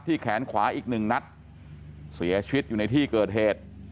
ที่แขนขวาอีก๑นัทเสียชีวิตอยู่ในที่เกิดเหตุ